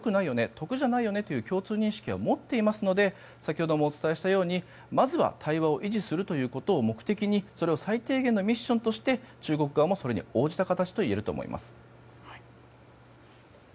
得じゃないよねという共通認識は持っていますので先ほどもお伝えしたようにまずは対話を維持することを目的にそれを最低限のミッションとして中国側もそれに応じた形といえると思います。